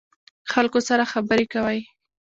خلکو سره خبرې کوئ؟